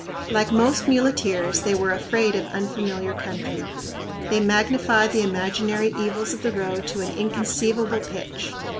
Like most muleteers, they were afraid of unfamiliar country. They magnified the imaginary evils of the road to an inconceivable pitch.